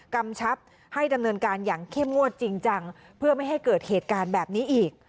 กำชับให้ดำเนินการอย่างเข้มงวดจริงจังเพื่อไม่ให้เกิดเหตุการณ์แบบนี้อีก